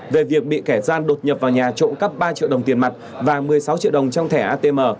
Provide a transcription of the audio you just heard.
về việc bị kẻ gian đột nhập vào nhà trộm cắp ba triệu đồng tiền mặt và một mươi sáu triệu đồng trong thẻ atm